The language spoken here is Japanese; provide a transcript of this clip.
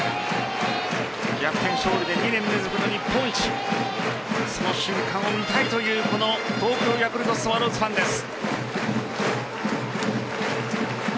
逆転勝利で２年連続の日本一その瞬間を見たいというこの東京ヤクルトスワローズファンです。